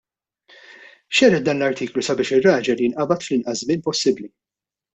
Xerred dan l-artiklu sabiex ir-raġel jinqabad fl-inqas żmien possibbli.